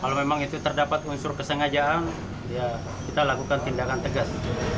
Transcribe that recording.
kalau memang itu terdapat unsur kesengajaan ya kita lakukan tindakan tegas